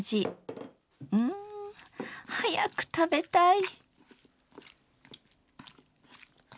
うん早く食べたい。